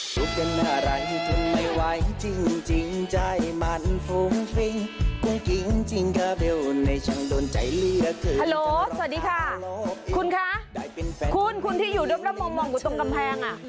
สวัสดีค่ะคุณค่ะคุณคุณที่อยู่ร่วมร่วมร่วมร่วมกับตรงกำแพงอ่ะ